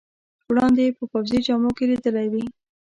وړاندې یې په پوځي جامو کې لیدلی وې.